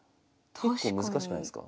結構難しくないすか？